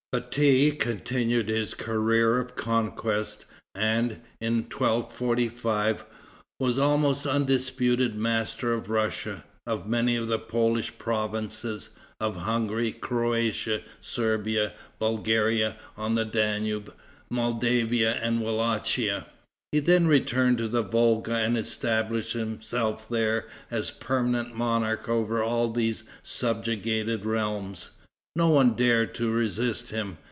Bati continued his career of conquest, and, in 1245, was almost undisputed master of Russia, of many of the Polish provinces, of Hungary, Croatia, Servia, Bulgaria on the Danube, Moldavia and Wallachia. He then returned to the Volga and established himself there as permanent monarch over all these subjugated realms. No one dared to resist him.